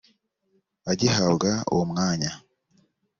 Agihabwa uwo mwanya